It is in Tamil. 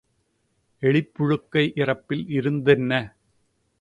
எலிப் புழுக்கை இறப்பில் இருந்தென்ன?